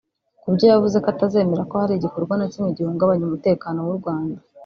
ku byo yavuze ko atazemera ko hari igikorwa na kimwe gihungabanya umutekano w’u Rwanda